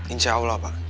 insya allah pak